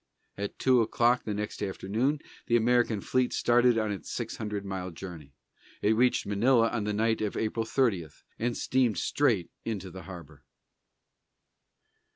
At two o'clock the next afternoon, the American fleet started on its six hundred mile journey. It reached Manila on the night of April 30, and steamed straight into the harbor.